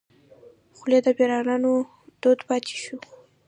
خولۍ د پيرانو دود پاتې شوی.